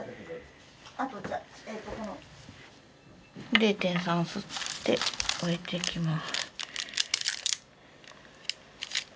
０．３吸って置いていきます。